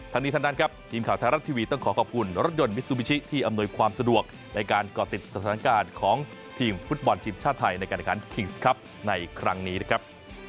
ทั้งนี้ทั้งนั้นครับทีมข่าวไทยรัฐทีวีต้องขอขอบคุณรถยนต์มิซูบิชิที่อำนวยความสะดวกในการก่อติดสถานการณ์ของทีมฟุตบอลทีมชาติไทยในการแข่งขันคิงส์ครับในครั้งนี้นะครับ